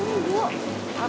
udah iya pulang